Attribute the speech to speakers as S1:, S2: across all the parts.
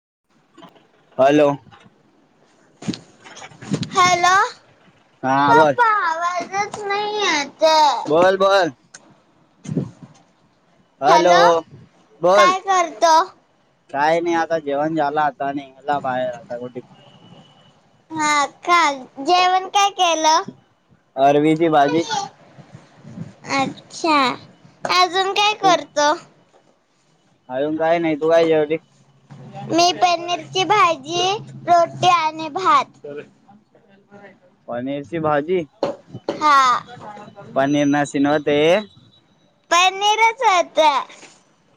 S1: [unintelligible] [inaudible]
S2: Hello
S1: हा बोल.
S2: पप्पा आवाजच नाही येत आहे. हॅलो.
S1: बोल काय नाही, आता जेवण झाला. आता निघाला बाहेर आता कुठे?
S2: हा का जेवण काय केलं?
S1: अरवीची
S2: आट अच्छा. अजून काय
S1: तू
S2: करतो?
S1: अजून काय नाही, तू काय जेवली?
S2: मी पनीरची भाजी, रोटी आणि भात.
S1: पनीरची भाजी.
S2: हा
S1: पनीर नाशिनत. ते.
S2: पनीरच होता.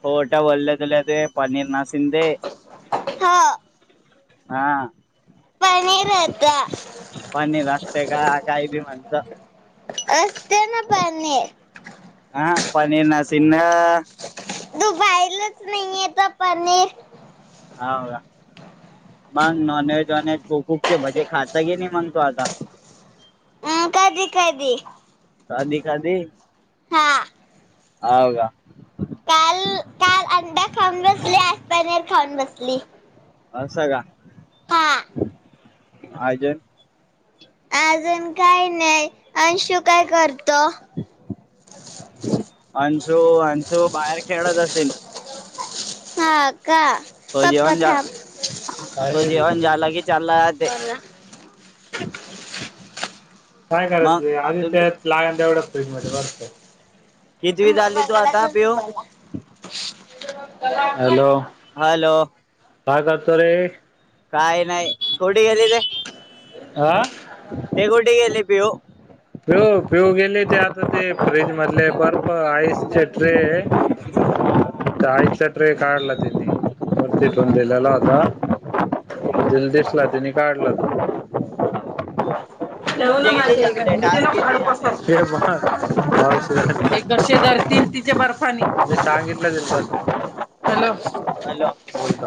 S1: खोटं बोल तुला ते पनीर ना शिंदे.
S2: हो
S1: हा. [inaudible]
S2: पनीर होत. अं.
S1: हा. पनी
S2: तू बाईलाच नाही येत
S1: हा मग नॉन
S2: हा. कधी कधी.
S1: कधी कधी.
S2: हा.
S1: आ
S2: काल काल अंडा ली.
S1: अस का?
S2: का?
S1: आजय.
S2: अजून काय नाही. अंशू का
S1: तो अंशू बाहेर खेळत असेल?
S2: हा. का?
S1: तो
S2: काय
S1: जेवण झा तो जेवण झाला की चालला जाते मग
S2: करायच आधी
S1: तू
S2: त्या लागान तेवढं फ्रीप्रजध्ये
S1: कितीवी चाली तू आता पिवू?
S2: हॅलो
S1: हॅलो
S2: काय करतो रे
S1: काय नाही गेली
S2: हा
S1: ते हे गोठ गेली वेो
S2: पिऊ पिऊ गेली ते आता ते फ्रीज मधले बर्फ आईसचे ट्रे आईसचा ट्रे काढला तिनी वरती ठेवून दिलेला होता तर तिला दिसला तिने काढला तो
S1: तुमचे किती लेय
S2: [inaudible] [unintelligible] तीन तीच्या बर्फानी मी सांगितलं तल हॅलो
S1: हॅलो
S2: बोल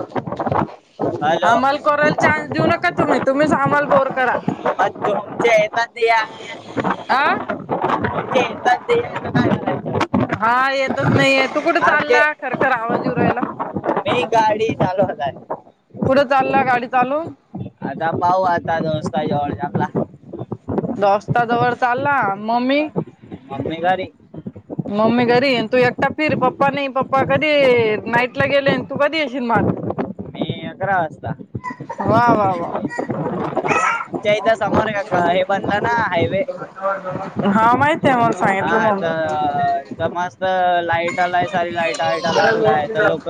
S1: हॅलो
S2: आमल कोराल चान्स देऊ नका तुम्ही तुम्ही समाल बोर करा
S1: जयता दे [unintelligible]
S2: [inaudible]
S1: [inaudible]
S2: हा येतच नाही. तू कुठ
S1: आमचे
S2: चालला खर खर आवाज [unintelligible]
S1: मी गाडी चालवताय.
S2: कुठ चालला गाडी चालवून?
S1: आता पाहु आता दोस्ता जवळ आपला
S2: दोस्ता जवळ चालला मम्मी
S1: मम्मी घरी.
S2: मम्मी घरी तू एकटा फिर पप्पा नाही पप्पा कधी नाईटला गेले तू कधी येशील म आता.
S1: [unintelligible]
S2: वा वा वा
S1: आमच्या इथं समोर क हे बंद ना हायवे
S2: हा आहे मला
S1: हा
S2: सांगितलं मग
S1: तर तर मस्त लाईटा लाय सारी लाइटा वाईटा लावलाय तर लोक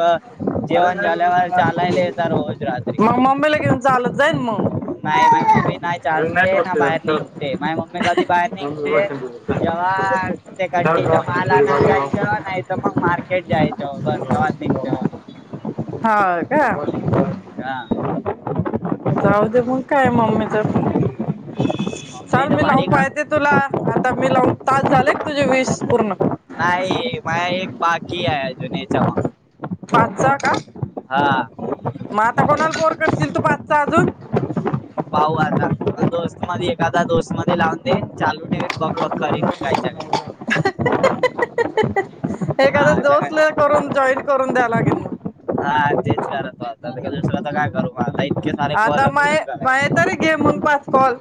S1: जेवण जल्यावर चालायला येत रोज
S2: म ममीला तिथून चालत जाईन मग.
S1: नाही माझ मम्मी नाही
S2: अरे नाही
S1: चालते ना
S2: लोटले
S1: बाहेर
S2: जात सर
S1: निघते माझ मम्मी कधी बाहेर निघते
S2: मम्मी
S1: जेव्हा
S2: बस.
S1: ते कंटीचा माल आणायला जायचं नाही तर मग मार्केट जायचं बस तेव्हा निघते.
S2: हा का जाऊ दे मग काय मम्मी तर चल
S1: मम्मीचं
S2: मी
S1: भारी
S2: लावून
S1: का
S2: पाहते तुला. आता मी लावून तास झालेय तुझे वीस पूर्ण
S1: नाही माझ एक बाकी आहे. [unintelligible]
S2: पाचचा का?
S1: हा.
S2: मग आता कोणाला बोर करशील तू पाचचा अजून?
S1: भाऊ आता दोस्त मध्ये एखादा दोस्त मध्ये लावून दे चालू ठेवेन बक बक करेन काहीतरी.
S2: एखाद
S1: आता काय
S2: दोसले करून जॉईट करून द्या लागेल मग.
S1: हा तेच करतो आता. दुसर तर काय करू मग ये
S2: आाता माये माये तर घे मग पाच कॉल.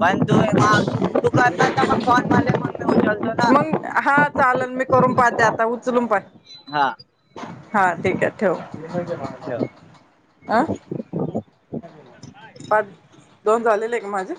S1: पण तू माये तू करणार का मग कॉल मला मी उचलतो ना.
S2: चालनमी करून पाहते, आता उचलून पाह.
S1: हा.
S2: हा ठीक आहे ठेव.
S1: ठेव
S2: अं पाच, दोन झालेले आहे का माझे.